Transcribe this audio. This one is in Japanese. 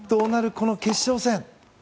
この決勝戦。